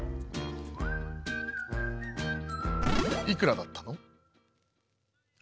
「いくらだったの？」。